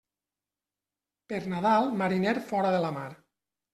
Per Nadal, mariner fora de la mar.